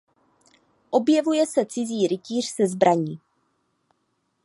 Objevuje se cizí rytíř se zbraní.